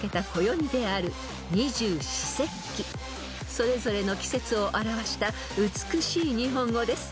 ［それぞれの季節を表した美しい日本語です］